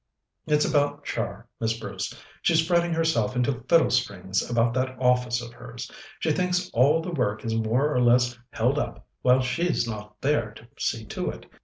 "It's about Char, Miss Bruce. She's fretting herself into fiddlestrings about that office of hers. She thinks all the work is more or less held up while she's not there to see to it.